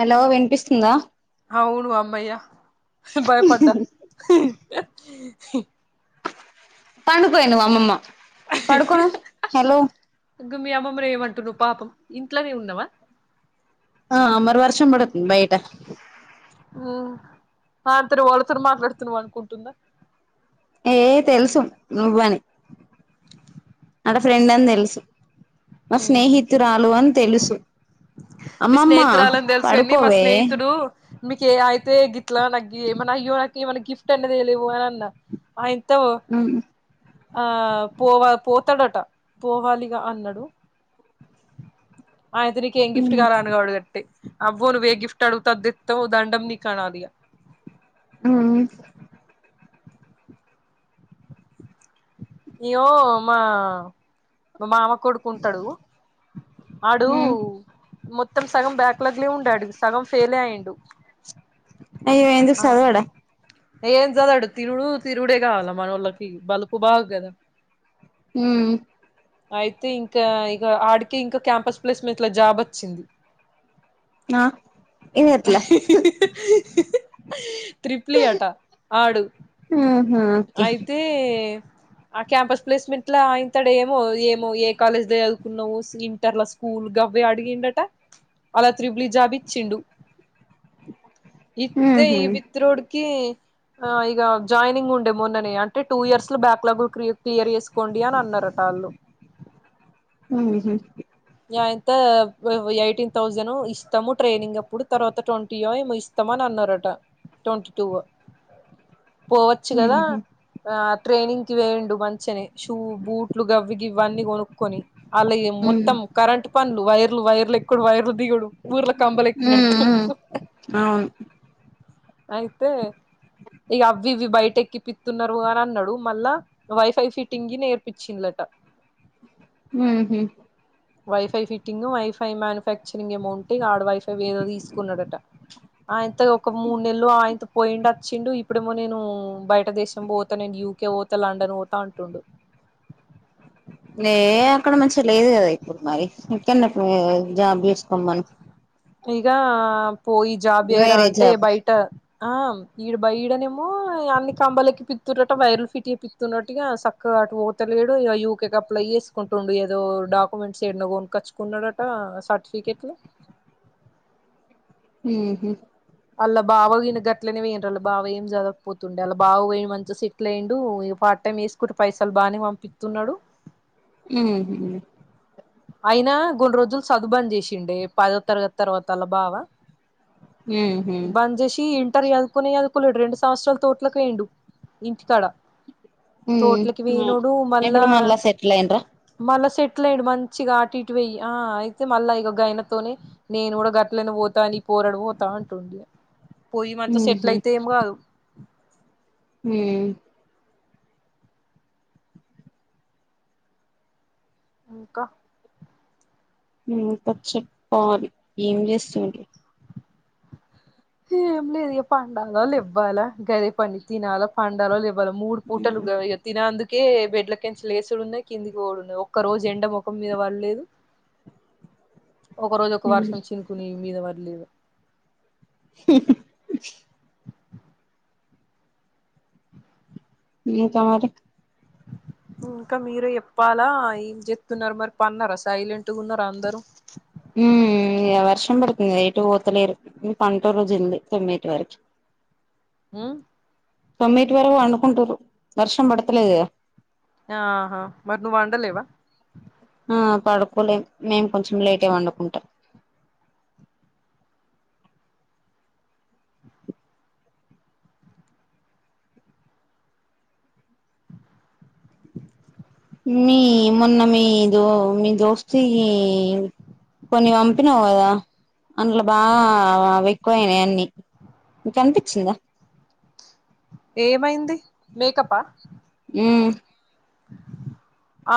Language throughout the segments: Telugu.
హలో వినిపిస్తుందా అవును అమ్మయ్య భయపడ్డా పండుకొనింది మా అమ్మమ్మా ఇంక మీ అమ్మమ్మని ఏమంటున్నావ్ పాపం ఇంట్లోనే ఉన్నావా ఆ మరి వర్షం పడుతుంది బయట ఉమ్ అళ్లతో ఎవళ్ళతోని మాట్లాడుతున్నావు అనుకుంటుందా ఏ తెలుసు నువ్వని అడ ఫ్రెండ్ అని తెలుసు మా ఉహు స్నేహితురాలు అని తెలుసు మీ అమ్మమ్మ స్నేహితురాలని తెలుసుకని మా పడుకోవే స్నేహితుడు మీకు ఏ అయితే గిట్లా నక్ మన అయ్యో నాకు ఏమన్నా గిఫ్ట్ అన్న తెలేవు అని అన్నా ఆయింతవో మ్ హు ఆ పోవ పోతాడట పోవాలిగా అన్నాడు ఆఇంత నీకు ఏం గిఫ్ట్ ఉమ్ కావలే అను గట్టి అబ్బో నువ్ ఏ గిఫ్ట్ అడుగుతె అదితెత్తవ్ దండం నికు అనలే ఇగ మ్ ఇగో మా మా మామ కొడుకు ఉంటాడు ఆడు ఉమ్ మొత్తం సగం బ్యాక్ లాగ్ లే ఉండే ఆడు సగం ఫెలే అయ్యండు అయ్యో ఎందుకు సదువడ ఏం సదువడు తినుడు తిరుడే కావాల మనోళ్ళకి బలుపు బాగ కదా మ్ అయితే ఇంకా ఇగ ఆడికే ఇంకా క్యాంపస్ ప్లేస్ మెంట్లా జాబ్ వచ్చింది [inaudible] ఆ ఇది ఎట్లా త్రిప్లి ఆట ఆడు ఆహా ఓకే అయితే ఆ క్యాంపస్ ప్లేస్మెంట్ లో అయింతడేమో ఏమో ఏ కాలేజ్ లో చదువుకున్నావు ఇంటర్ల స్కూల్ గవ్వే అడిగిండట అలా త్రిబ్లి జాబ్ ఇచిండు ఇత్తే ఉహు ఈ బిత్తి రోడ్కి ఆ ఈ జాయినింగ్ ఉం ట్ మొన్ననే అంటే టూ ఇయర్స్ లో బ్యాక్లాగు్లు క్లియర్ చేసుకోండి అని అన్నారట వాళ్ళు మ్ హు ఏమంత ఎయిటీన్ థౌజండ్ ఇస్తాము ట్రైనింగ్ అప్పుడు తర్వాత ట్వంటీయొ ఏమో ఇస్ త్తమని అన్నారట ట్వంటీ టూ పోవచ్చు కదా ఉహు ఆ ట్రైనింగ్ కి పోఇండు మంచ్ చెని షూ బూట్లు గవ్వి ఇవ్వన్నీ కొనుక్కొని అలా ఏ మొత్ ఉమ్ కరెంట్ పనులు వైర్లు వైర్లు ఎక్కుడు వైర్లు దిగడు ఊర్ల ఉమ్ కంబలేక్కినట్టు ఉమ్ అవును అయితే ఇగ అవి ఇవి బయటేక్కిపిత్తున్నారు అని అన్నాడు మళ్ళా వైఫై ఫిట్టింగ్ నేర్పించ్చిళ్ళట మ్ హు wifi fitting wifi manufacturing amount ఆడ వైఫై ఏదో తీసుకున్నాడట ఆఇంత ఒక మూడు నెల్లు ఆఇంత పోయిడు వచ్చిండు ఇప్పుడేమో నేను బయట దేశం పోతా నిన్ యూ కే లండన్ పోత అంటుండు ఏ అక్కడ మంచిగా లేదు కదా ఇప్పుడు మరి ఇక్కన్నే జాబ్ చేసుకోమ్మను ఇగ పోయి జాబ్ చెయ్ రా వేరే అంటే జాబ్ బయట ఆ ఈడు బయడనేమో అన్ని కంబలేక్కి పితురట వైర్లు ఫిట్ చేపిత్ తున్నట్టుగా చక్కగా అటు తలేడు ఇగ యూకేక్ అప్లై చేసుకుంటుండు ఏదో డాక్యుమెంట్స్ ఏన్నో కొనుకచ్ కున్నడట సార్టిఫికెట్లు మ్ హు అళ్ళ బావ గిన్ గట్లనే పోఇర్రు బావ ఏం చదవపోతుండే అలా బావ పోయి మంచిగ స్ [unintelligible] ఇగ పార్ట్ టైం [unintelligible] పైసలు బానే పంపిస్తున్నాడు ఉ హు అయినా కొన్ని రోజులు [unintelligible] చేసిండే పదో తరగతి తర్వాతలా బావ ఉహు [unintelligible] ఇంటర్ [unintelligible] కునే అదుకోలేడు రెండు సంవత్సరాల తోట్లకి వేండు ఇంటికాడ తోట్లకి ఉహు [unintelligible] మళ్ళా ఇప్పుడు సెటిల్ అయిండ్రా మళ్ళా సెటిల్ అయడు మ మచ్చిగా అ ఇటువయ్య ఆ అయితే మళ్ళా ఇక గయనతోనే నేను కూడా గట్ని పోతా న పోరాడు పోతా అంటుండి పోయి మంత సెటిల్ ఉహు అయితే ఏం కాదు హు ఇంక ఇంకా చెప్పాలి ఎం చేస్తుండ్రు ఏం లేదుక పండాల లెవ్వాల గదే పని తినాలి పండాల లేవ్వాల [unintelligible] మూడు పూటలుగా ఎ తినేందుకే బెడ్ల కంచ లేసుడు ఉన్నాయి కిందికి కూడాడున్నాయి ఒక్క రోజు ఎండ ముఖం మీద పడలేదు ఒక రోజు ఒక వర్షం చినుకుని మీద పడ్లేదు హు [unintelligible] ఇంకా మీరే చెప్పాల ఏం చెప్తున్నారు మరి పన్నారా సైలెంట్ గా ఉన్నారు అందరు ఉ వర్షం పడుతుంది ఎటు పోతలేరు పంట రోజు ఉంది తొమ్మిటి వరకు హు తొమ్మిటి [unintelligible] అనుకుంటుారు వర్షం పడతలేదు ఆహా మరి [unintelligible] వండలేవ ఆ పడుకోలే మేం కొంచెం లేటే పండుకుంట మీ మొన్న మీ దో మీ దోస్ [unintelligible] కొన్ని పంపినావ్ కదా అందులో బాగా అవి ఎక్కువయినాయి అన్ని నీకు అనిపించిందా ఏమైంది మేకప్ప హు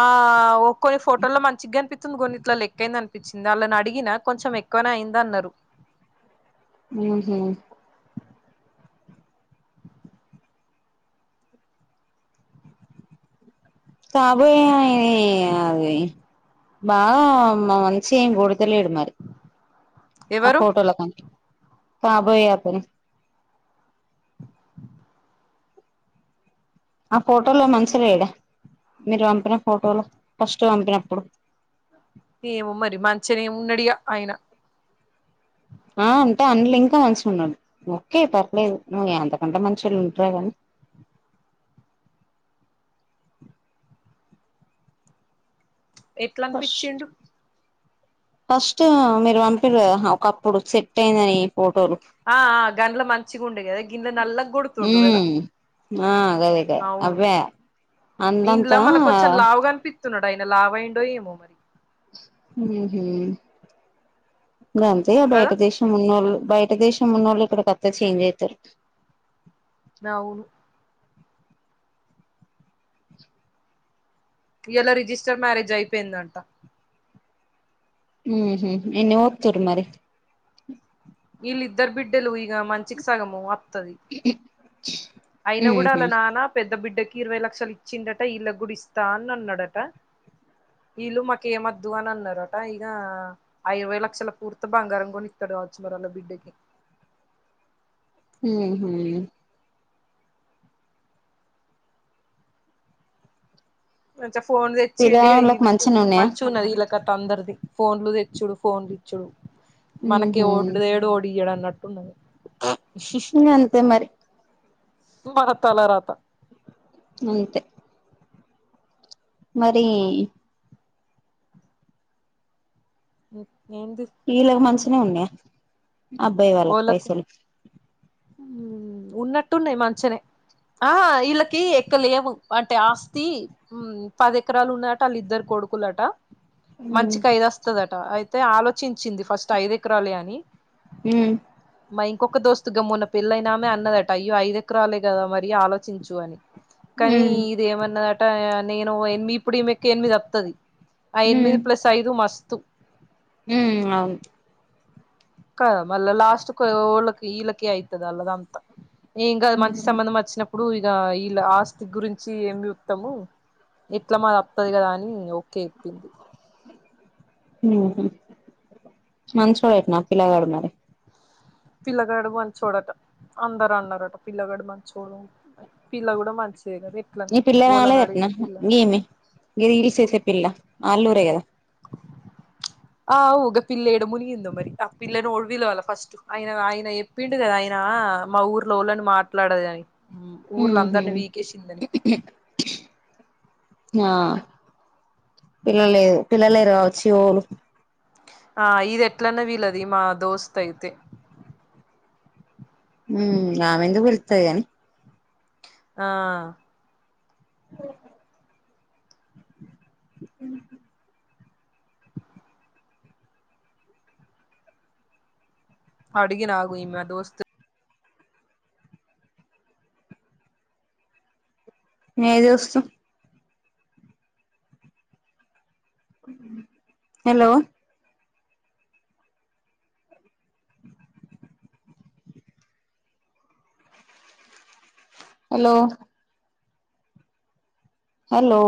ఆ కొన్ని ఫోటోల్లో మంచిగ [unintelligible] [unintelligible] అనిపిచ్చింది అని అడిగిన కొంచె ఎకువనే అయింద అన్నారు ఉహు [unintelligible] బాగా మా [unintelligible] లేడు మరి ఆ ఎవరు ఫోటోల [unintelligible] కాబోయే అతను ఆ ఫోటోలో మంచిలేడ మీరు పంపిన ఫోటోలు ఫస్ట్ పంపినప్పుడు ఏమ మరి మంచినే ఉన్నాడిగా ఆయన ఆ అంటే అందులు ఇంకా మంచిగా ఉన్నాడు ఓకే పర్లేదు నువ్వు అంతకంట మంచి వాళ్ళు ఉంటార గానీ ఎట్లా ఫస్ట్ అనిపించిండు ఫస్ట్ మీరు [unintelligible] ఒకప్పుడు సెట్ అయిందని ఈ ఫోటోలు ఆ గండ్ల మంచి గుండే కదా గ్గిన్నే నల్ల గోడుతుండ గద [unintelligible] అందంతా అయిన లావు అయ్యిందో ఏమో మరి [unintelligible] కదా ఉన్నళ్ళు బయట దేశం ఉన్నళ్ళు ఇక్కడ వత్తే చేంజ్ అవుతారు అవును ఇవాళ రిజిస్టర్ మ్యారేజ్ అయిపోయిందంట ఉ హు ఎన్ని పోతురు మరి ఇళ్లు ఇద్దరు బిడ్డలుఇగ మనిషికి సగం అత్తది ఉ హు అయినా కూడా అలా నాన్న పెద్ద బిడ్డకి ఇరవై లక్షలు ఇచ్చిండట ఈళ్లగూడ ఇస్తా అని అన్నాడట వీళ్ళు మాకు ఏమద్దు అని అన్నారట ఇక అరవై లక్షల పూర్త బంగారం కొని ఇతడు కావచ్చు వాళ్ళ బిడ్డ కి ఉ హు మంచిగా ఫోన్ తెచ్చిండి ఇగ పిల్లగాళ్ళకి ఈమెకు మంచిగనే ఉన్నయా మంచిగా ఉన్నది ఇలా ఇంటి చుట్టూ అందరిది ఫోన్లు తెచ్చుడు ఫోన్లు ఇచ్చుడు మనకే ఉహు ఓడు తేడు ఏడు ఓడియడు అన్నట్టు ఇంగంతే మరి మన తలరాత అంతే మరి ఉ ఏంటి వీళ్ళకి మంచినే ఉన్నాయి అబ్బాయి వాళ్ళకి పైసలు ఉ ఉన్నట్టు ఉన్నాయి మంచిగనే ఆ వీళ్ళకి ఎక్కవలేవు అంటే ఆస్తి పది ఎకరాలు ఉన్నాయట వాళ్ళ ఇద్దరు కొడుకులట ఉమ్ మంచికి ఐదు వస్తదట అయితే ఆలోచించింది ఫస్ట్ ఐదు ఎకరాలే అని ఉ మా ఇంకొక దోస్తు పెళ్లి అయిన అన్నదట అయో ఐదు ఎకరాలే కదా మరి ఆలోచించు అని కానీ ఉమ్ ఇది ఏమన్నదట నేను ఏమి ఇప్పుడు ఈమెకు ఎనిమిది అత్తది ఆ ఎనిమిది ప్లస్ ఐదు మస్తు ఉ అవును కద మళ్లా లాస్ట్ కి ఓళకి ఈలకి అయితది వాళ్లది అంత ఈగ మంచి సంబంధం వచ్చినప్పుడు ఇగా ఈ ఆస్తి గురించి ఏమి చూత్తము ఎట్లా మాది అత్తది కదా అని ఓకే చెప్పింది ఉహు మంచోడు అట్నా పిల్లగాడు మరి పిల్లగాడు మంచోడట అందరు అన్నారట పిల్లగాడు మంచోడు పిల్ల కూడా మంచిదే కని నీ పిల్ల రాలేదు అట్న గిమె హిల్స్ చేసే పిల్ల కదా ఆలా ఊరే కదా ఆ ఔ పిల్ల ఏడ మునిగిందో మరి ఆ పిల్ల రోడ్డు మీద రావాలి ఫస్ట్ ఆయన ఆయన చెప్పిండు కదా ఆయన మా ఊర్లో వాళ్ళని మాట్లాడదు అని ఊర్ల ఉహు అందరిని వీకేసిందని ఆ పిలువలేదు పిలువలే కావచ్చు ఓవులు ఆ ఇది ఇట్లన పిలువదు మా దోస్తు అయితే ఉ ఆమెందుకు పిలుత్తది గాని ఆ ఆ అడిగిన ఆగు ఇగ మా దోస్తును ఏ దోస్త్ హలో హలో హలో